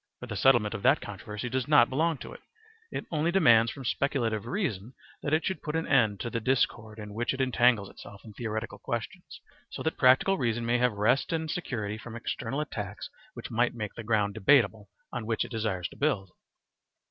For the settlement of that controversy does not belong to it; it only demands from speculative reason that it should put an end to the discord in which it entangles itself in theoretical questions, so that practical reason may have rest and security from external attacks which might make the ground debatable on which it desires to build.